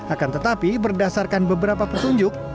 akan tetapi berdasarkan beberapa petunjuk